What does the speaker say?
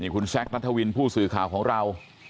คุณแซคนัทวินผู้สื่อข่าวของเรา